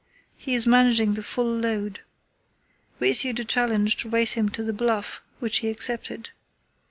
He is managing the full load. We issued a challenge to race him to the Bluff, which he accepted.